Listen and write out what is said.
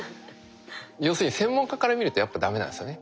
要するに専門家から見るとやっぱ駄目なんですよね。